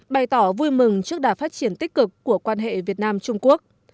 bày tỏ vui mừng trước đà phát triển tích cực của quan hệ việt nam trung quốc